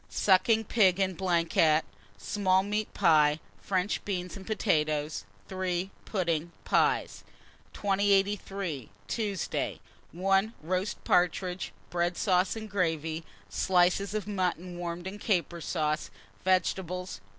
Sucking pig en blanquette, small meat pie, French beans, and potatoes. 3. Pudding, pies. 2083. Tuesday. 1. Roast partridges, bread sauce, and gravy; slices of mutton warmed in caper sauce; vegetables.